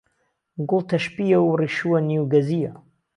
گوڵ تهشپیه و ڕیشوه نیو گەزییه